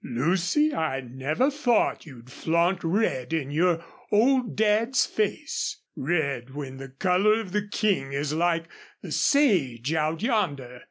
"Lucy, I never thought you'd flaunt red in your old Dad's face. Red, when the color of the King is like the sage out yonder.